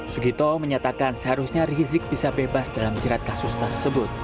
sugito menyatakan seharusnya rizik bisa bebas dalam jerat kasus tersebut